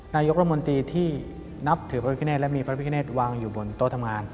นายกรมนตรีที่นับถือพระพิคเนตและมีพระพิคเนตวางอยู่บนโต๊ะทำงาน